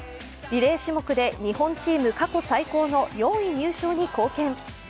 リレー種目で日本チーム過去最高の４位入賞に貢献。